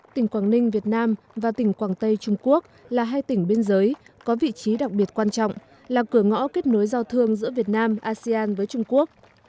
tỉnh quảng ninh việt nam và tỉnh quảng tây trung quốc là hai tỉnh biên giới có vị trí đặc biệt quan trọng là cửa ngõ kết nối giao thương giữa việt nam asean với trung quốc